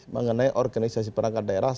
mengenai organisasi perangkat daerah